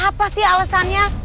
apa sih alesannya